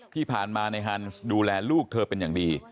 ที่ผ่านมาในฮันส์ดูแลลูกเธอเป็นอย่างดี